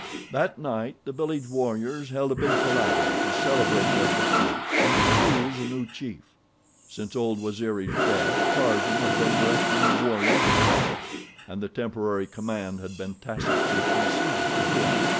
That night the village warriors held a big palaver to celebrate their victories, and to choose a new chief. Since old Waziri's death Tarzan had been directing the warriors in battle, and the temporary command had been tacitly conceded to him.